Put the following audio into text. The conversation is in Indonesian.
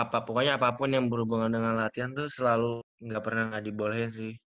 apa pokoknya apapun yang berhubungan dengan latihan tuh selalu nggak pernah nggak dibolehin sih